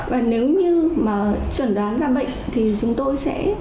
và nếu như mà chuẩn đoán ra bệnh thì chúng tôi sẽ